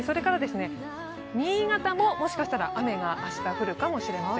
新潟ももしかしたら雨が明日、降るかもしれません。